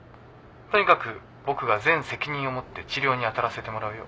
とにかく僕が全責任をもって治療に当たらせてもらうよ。